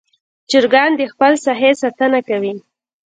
چرګان د خپل ساحې ساتنه کوي.